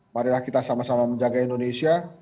marilah kita sama sama menjaga indonesia